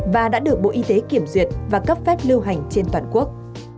và đã được bộ y tế kiểm duyệt và cấp phép lưu hành trên toàn quốc